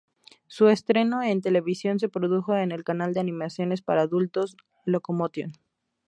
Su estreno en televisión se produjo en el canal de animaciones para adultos Locomotion.